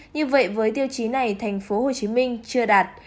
như vậy với tiêu chí này tp hcm chưa đạt